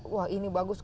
wah ini bagus